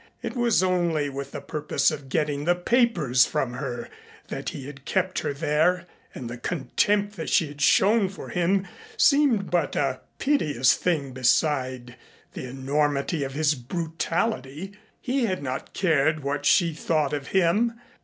It was only with the purpose of getting the papers from her that he had kept her there, and the contempt that she had shown for him seemed but a piteous thing beside the enormity of his brutality. He had not cared what she thought of him.